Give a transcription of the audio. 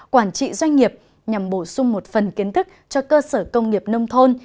quản trị doanh nghiệp nhằm bổ sung một phần kiến thức cho cơ sở công nghiệp nông thôn